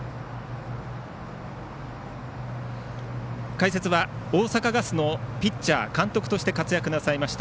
解説は大阪ガスのピッチャー、監督として活躍なさいました